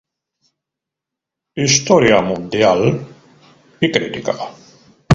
Historia mundial y crítica".